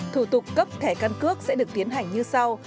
thủ tục cấp thẻ căn cước sẽ được tiến hành như sau